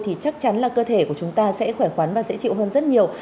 thì chắc chắn là cơ thể của chúng ta sẽ khỏe khoắn và dễ chịu hơn rất nhiều